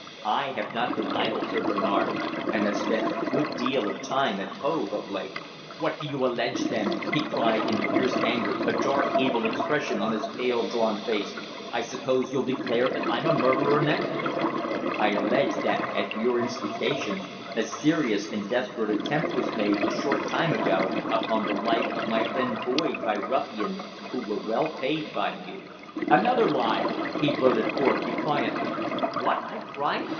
I have not been idle, Sir Bernard, and have spent a good deal of time at Hove of late." "What do you allege, then?" he cried in fierce anger, a dark, evil expression on his pale, drawn face. "I suppose you'll declare that I'm a murderer next!" "I allege that, at your instigation, a serious and desperate attempt was made, a short time ago, upon the life of my friend Boyd by ruffians who were well paid by you." "Another lie!" he blurted forth defiantly. "What?" I cried.